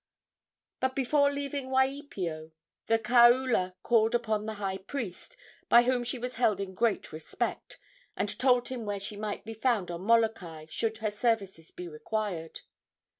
But before leaving Waipio the kaula called upon the high priest, by whom she was held in great respect, and told him where she might be found on Molokai, should her services be required.